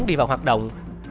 đi vào hoạt động